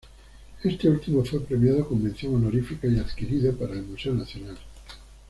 Este último fue premiado con mención honorífica y adquirido para el Museo nacional.